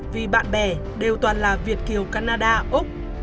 vì bạn bè đều toàn là việt kiều canada úc